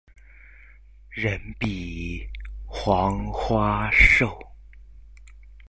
人比黄花瘦